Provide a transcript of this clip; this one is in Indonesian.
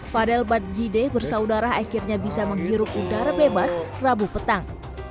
fadel badjideh bersaudara akhirnya bisa menghirup udara bebas rabu petang